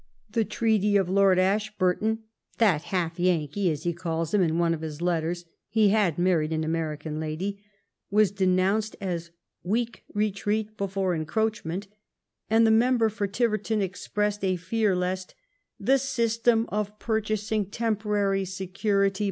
The treaty of Lord Ashburton, " that half Yankee," as be calls him in one of his letters — he had married an American lady — was denounced as weak retreat before encroachment ; and the member for Tiverton expressed a fear lest the system of purchasing temporary secu 92 LIFE OF riBCOUNT PALMEESTON.